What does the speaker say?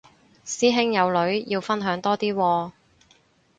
師兄有女要分享多啲喎